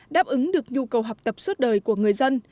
đáp ứng được nhu cầu học tập suốt đời của người dân